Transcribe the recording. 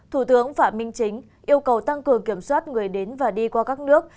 thủ tướng phạm minh chính yêu cầu tăng cường kiểm soát người đến và đi qua các nước